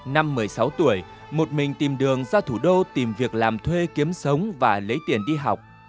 năm một mươi sáu tuổi một mình tìm đường ra thủ đô tìm việc làm thuê kiếm sống và lấy tiền đi học